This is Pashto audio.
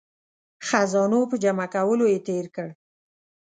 خزانو په جمع کولو یې تیر کړ.